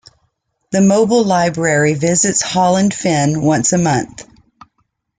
The mobile library visits Holland Fen once a month.